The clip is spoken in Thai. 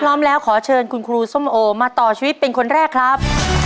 พร้อมแล้วขอเชิญคุณครูส้มโอมาต่อชีวิตเป็นคนแรกครับ